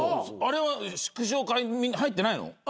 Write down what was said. あれは祝勝会に入ってないの？